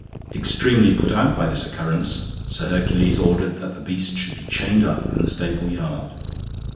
Extremely put out by this occurrence, Sir Hercules ordered that the beast should be chained up in the stable yard.